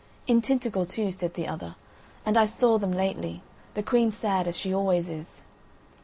"In Tintagel too," said the other, "and I saw them lately; the Queen sad, as she always is."